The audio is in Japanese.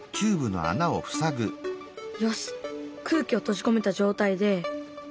よし空気を閉じ込めた状態で。